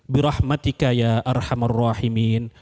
birahmatika ya arhamar rahimin